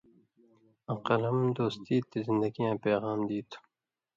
آں قلم دوستی تے زندگیاں پیغام دی تُھو،